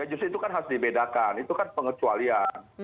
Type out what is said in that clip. justru itu kan harus dibedakan itu kan pengecualian